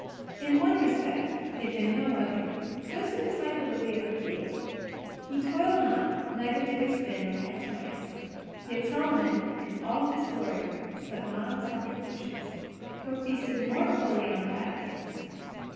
In one respect, if in no other, Joseph was like a lily of the field. He toiled not neither did he spin or catch mice. Yet Solomon in all his glory slept not on softer cushions, or feasted more fully on fat things.